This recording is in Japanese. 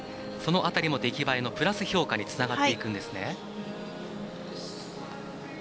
その辺りも出来栄えのプラス評価につながっていくんですね。